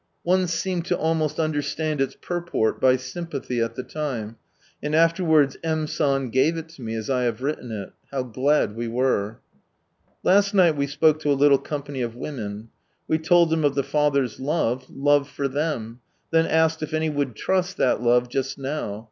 One seemed to almost understand its purport, by sympathy, at the time ; and afterwards M. San gave it to me, as I have written it. How glad we were I Last night we spoke to a little company of women. We told them of the Father's love, love for them; then asked if any would trust that love just now?